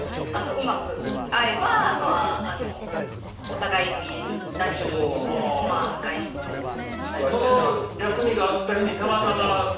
うまく合えばお互いの家に行ったり外出したり。